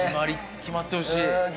決まってほしい。